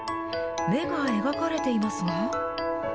目が描かれていますが。